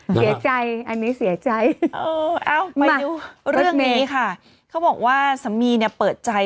เสียใจอันนี้เสียใจมาดูเรื่องนี้ค่ะเขาบอกว่าสามีเนี่ยเปิดใจ